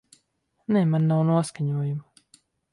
Nē, man nav noskaņojuma.